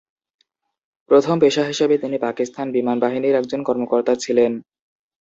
প্ৰথম পেশা হিসেবে তিনি পাকিস্তান বিমান বাহিনীর একজন কর্মকর্তা ছিলেন।